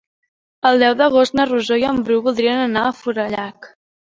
El deu d'agost na Rosó i en Bru voldrien anar a Forallac.